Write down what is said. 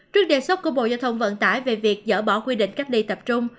trước đề xuất của bộ giao thông vận tải về việc dỡ bỏ quy định cách ly tập trung